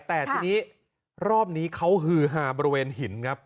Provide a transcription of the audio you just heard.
แต่ทีนี้รอบนี้เขาฮือฮาบริเวณหินครับ